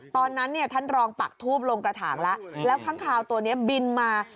ตอนนั้นเนี่ยท่านรองปักทูบลงกระถางแล้วแล้วข้างคาวตัวนี้บินมา